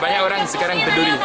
banyak orang sekarang berdiri